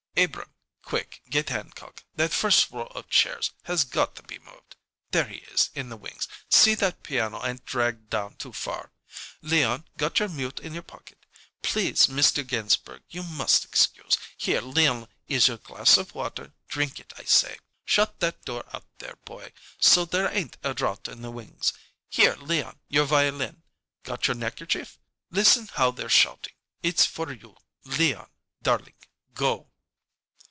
"Abrahm quick get Hancock. That first row of chairs has got to be moved. There he is, in the wings. See that the piano ain't dragged down too far! Leon, got your mute in your pocket? Please, Mr. Ginsberg you must excuse Here, Leon, is your glass of water; drink it, I say. Shut that door out there, boy, so there ain't a draught in the wings. Here, Leon, your violin. Got your neckerchief? Listen how they're shouting! It's for you Leon darlink Go!"